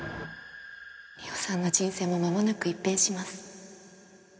梨央さんの人生も間もなく一変します